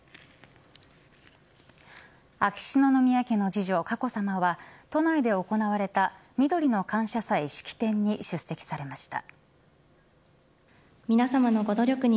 秋篠宮家の次女、佳子さまは都内で行われたみどりの感謝祭式典に出席されました。